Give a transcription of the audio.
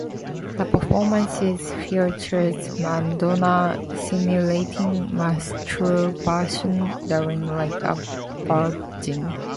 The performances featured Madonna simulating masturbation during "Like a Virgin".